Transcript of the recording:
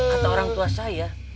atau orang tua saya